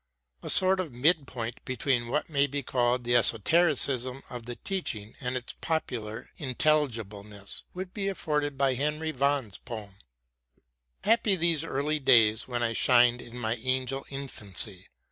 A sort of mid point between what may be called the esotericism of the teaching and its popular intelligibleness would be afforded by Henry Vaughan's poem : Happy those early days when I Shin'd in my angel infancy